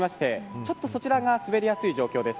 ちょっとそちらが滑りやすい状況です。